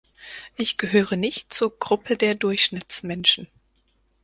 Ich gehöre nicht zur Gruppe der Durchschnittsmenschen.